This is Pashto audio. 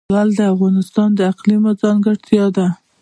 لعل د افغانستان د اقلیم ځانګړتیا ده.